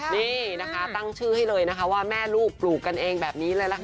นี่นะคะตั้งชื่อให้เลยนะคะว่าแม่ลูกปลูกกันเองแบบนี้เลยล่ะค่ะ